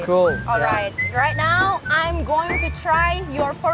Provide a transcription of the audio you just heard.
sekarang saya akan mencoba buburmu